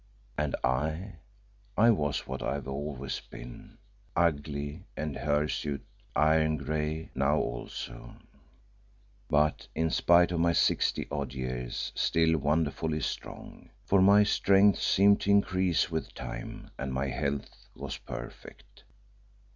And I I was what I have always been ugly and hirsute, iron grey now also, but in spite of my sixty odd years, still wonderfully strong, for my strength seemed to increase with time, and my health was perfect.